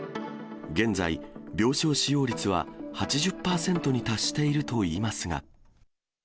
現在、病床使用率は８０％に達しているといいますが。